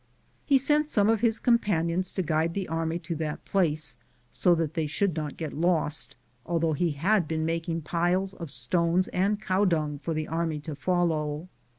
He sent some of his com panions to guide the army to that place, so that they should not get lost, although he had been making piles of stones and cow dung for the army to follow.